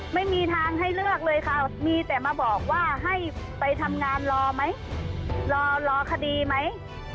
ไม่มีทางให้เลือกเลยค่ะมีแต่มาบอกว่าให้ไปทำงานรอไหมรอคดีไหม